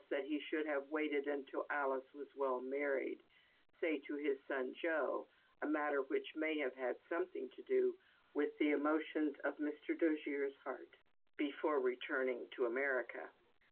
that he should have waited until Alice was well married (say to his son Joe, a matter which, may have had something to do with the emotions of Mr. Dojere's heart) before returning to America.